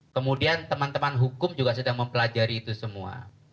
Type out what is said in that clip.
kemudian teman teman hukum juga sedang mempelajari itu semua